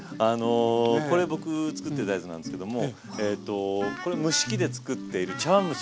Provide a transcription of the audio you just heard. これ僕作ってたやつなんですけどもこれ蒸し器で作っている茶わん蒸し。